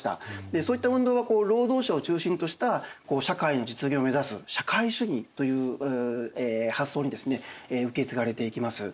でそういった運動は労働者を中心とした社会の実現を目指す社会主義という発想にですね受け継がれていきます。